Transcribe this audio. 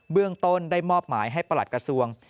เรื่องต้นได้มอบหมายให้ประหลัดกระทรวง